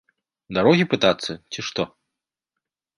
Дарогі пытацца ці што?